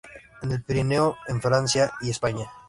En el Pirineo en Francia y España.